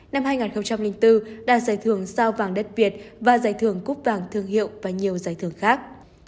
năm hai nghìn bốn đã giải thưởng sao vàng đất việt và giải thưởng cúp vàng thương hiệu và nhiều giải thưởng khác